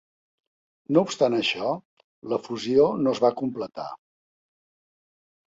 No obstant això, la fusió no es va completar.